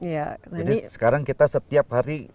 sekarang kita setiap hari